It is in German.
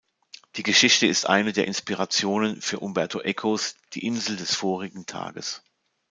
Die Geschichte ist eine der Inspirationen für Umberto Ecos "Die Insel des vorigen Tages".